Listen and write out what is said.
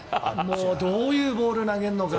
どういうボール投げるのか。